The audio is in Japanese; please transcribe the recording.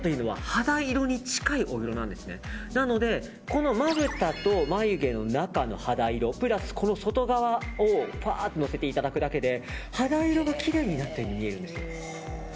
なのでまぶたと眉毛の中の肌色プラスこの外側をふわっとのせていただくだけで肌色がきれいになったように見えるんです。